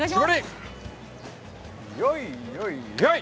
よいよいよい！